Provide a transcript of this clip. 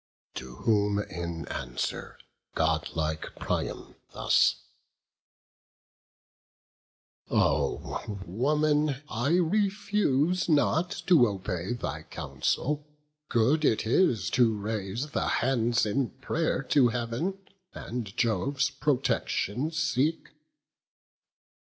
To whom, in answer, godlike Priam thus: "O woman, I refuse not to obey Thy counsel; good it is to raise the hands In pray'r to Heav'n, and Jove's protection seek."